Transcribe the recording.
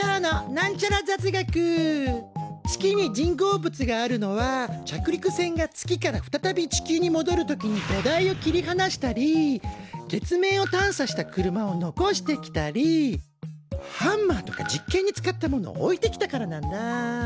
月に人工物があるのは着陸船が月から再び地球にもどる時に土台を切りはなしたり月面を探査した車を残してきたりハンマーとか実験に使ったものを置いてきたからなんだ。